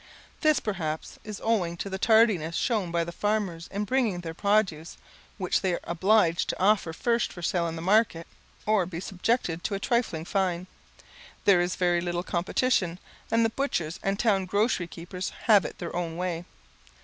This, perhaps, is owing to the tardiness shown by the farmers in bringing in their produce, which they are obliged to offer first for sale in the market, or be subjected to a trifling fine. There is very little competition, and the butchers and town grocery keepers have it their own way.